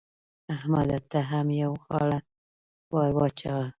احمده! ته هم يوه غاړه ور واچوه.